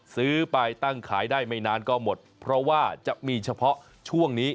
ซื้อไปตั้งขายได้ไม่นานก็หมดเพราะว่าจะมีเฉพาะช่วงนี้